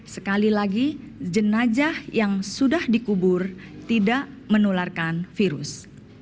sekali lagi jenajah yang sudah dikubur tidak menularkan virus